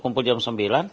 kumpul jam sembilan